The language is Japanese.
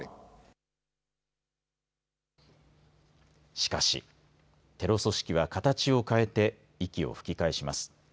しかし、テロ組織は形を変えて息を吹き返します。